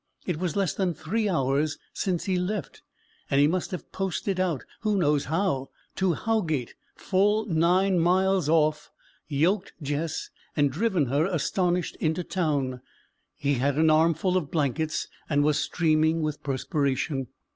It was less than three hours since he left, and he must have posted out who knows how? to Howgate, full nine miles off; yoked Jess, and driven her astonished into town. He had an armful of blankets and was streaming with perspiration.